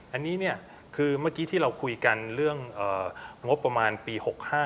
อันนี้เนี่ยคือเมื่อกี้ที่เราคุยกันเรื่องงบประมาณปี๖๕